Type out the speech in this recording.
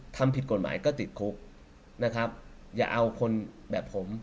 ทำผิดกฎหมายก็ติดคุกนะครับอย่าเอาคนแบบผม